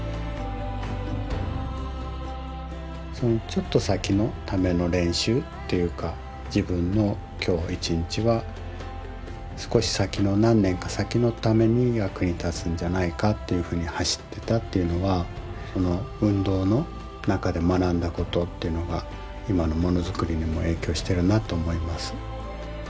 ちょっと先のための練習っていうか自分の今日の一日は少し先の何年か先のために役に立つんじゃないかっていうふうに走ってたっていうのはその運動の中で学んだことっていうのが今のものづくりにも影響してるなと思います。